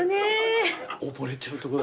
溺れちゃうとこだった。